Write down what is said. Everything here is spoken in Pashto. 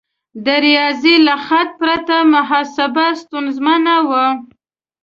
د ریاضي له خط پرته محاسبه ستونزمنه وه.